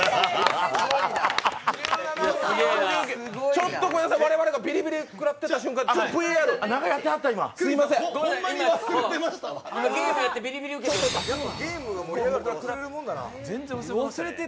ちょっとごめんなさい、我々がビリビリ食らっているから分からない。